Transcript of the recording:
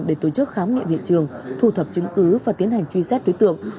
để tổ chức khám nghiệm hiện trường thu thập chứng cứ và tiến hành truy xét đối tượng